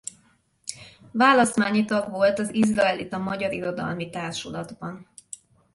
Választmányi tag volt az izraelita magyar irodalmi társulatban.